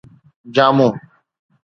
جامو